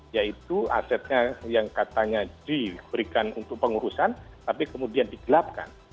yaitu asetnya yang katanya diberikan untuk pengurusan tapi kemudian digelapkan